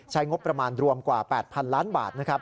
ใช้งบประมาณรวมกว่า๘๐๐๐ล้านบาท